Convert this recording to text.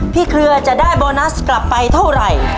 เครือจะได้โบนัสกลับไปเท่าไหร่